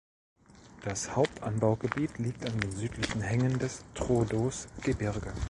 Das Hauptanbaugebiet liegt an den südlichen Hängen des Troodos-Gebirge.